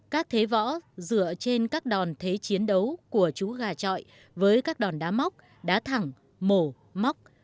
các thế võ dựa trên các đòn thế chiến đấu của chú gà trọi với các đòn đá móc đá thẳng mổ móc